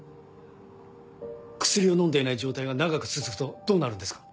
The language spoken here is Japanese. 薬を飲んでいない状態が長く続くとどうなるんですか？